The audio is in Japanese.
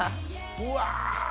うわ！